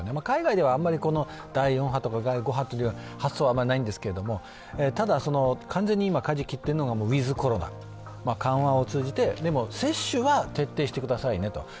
海外ではあんまり第４波とか第５波という発想はあまりないんですけれども、ただ、完全に今、かじを切っているのはウィズ・コロナ、緩和を通じてでも接種は徹底してくださいねと。